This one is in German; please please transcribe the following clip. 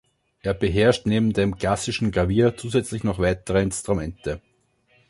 Er beherrscht neben dem klassischen Klavier zusätzlich noch weitere Instrumente.